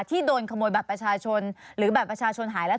ที่โดนขโมยบัตรประชาชนหรือบัตรประชาชนหายแล้ว